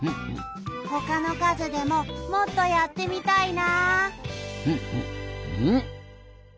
ほかのかずでももっとやってみたいな。